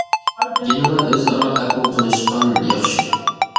يەنىلا ئۆز ئارا ئەپۇ قىلىشقان ياخشى.